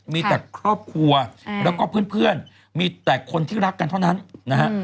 มีแต่ครอบครัวแล้วก็เพื่อนมีแต่คนที่รักกันเท่านั้นนะฮะ